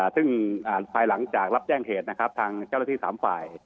ซึ่งภายหลังจากรับแจ้งเหตุนะครับทางเจ้าหน้าที่๓ฝ่าย